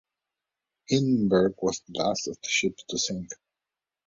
"Hindenburg" was the last of the ships to sink.